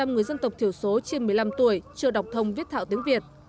một mươi người dân tộc thiểu số trên một mươi năm tuổi chưa đọc thông viết thạo tiếng việt